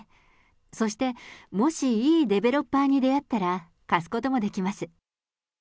そして、もしいいデベロッパーに出会ったら貸すこともできます。